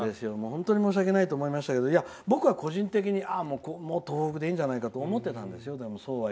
本当に申し訳ないと思いましたけど僕は東北でいいんじゃないかと思っていたんですが。